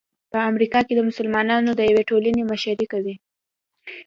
په امریکا کې د مسلمانانو د یوې ټولنې مشري کوي.